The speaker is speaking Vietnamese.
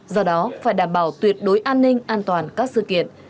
do đó phải đảm bảo tuyệt đối an ninh an toàn các sự kiện